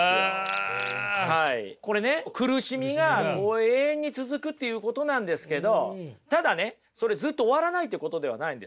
これね苦しみが永遠に続くっていうことなんですけどただねそれずっと終わらないってことではないんですよ。